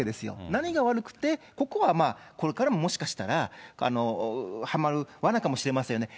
何が悪くて、ここはまあ、これからももしかしたらはまるわなかもしれませんよね。